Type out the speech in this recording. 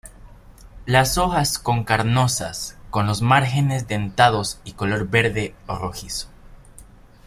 Las hojas con carnosas con los márgenes dentados y de color verde o rojizo.